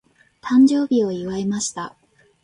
誕生日を祝いました。